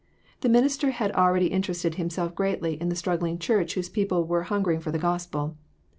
The minister had already interested himself greatly in the struggling church whose people were "hungering for the gospel."